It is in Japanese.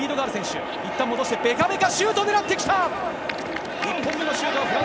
いったん戻してベカベカ、シュートを狙ってきた！